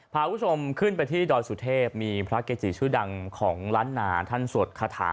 พาคุณผู้ชมขึ้นไปที่ดอยสุเทพมีพระเกจิชื่อดังของล้านนาท่านสวดคาถา